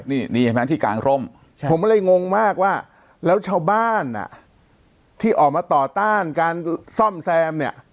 นี่เห็นไหมที่กลางร่มผมก็เลยงงมากว่าแล้วชาวบ้านที่ออกมาต่อต้านการซ่อมแซมเนี่ย